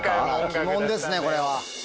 鬼門ですねこれは。